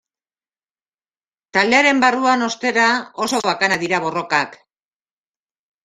Taldearen barruan, ostera, oso bakanak dira borrokak.